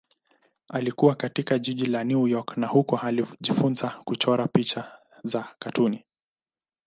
Alikua katika jiji la New York na huko alijifunza kuchora picha za katuni.